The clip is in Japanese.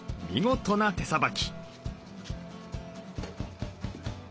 見事な手さばき。